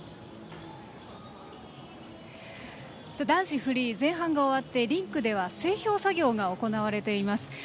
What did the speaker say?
男子フリー前半が終わってリンクでは整氷作業が行われています。